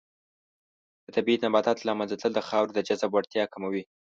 د طبیعي نباتاتو له منځه تلل د خاورې د جذب وړتیا کموي.